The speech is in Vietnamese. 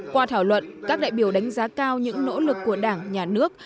qua thảo luận các đại biểu đánh giá cao những nỗ lực của đảng nhà nước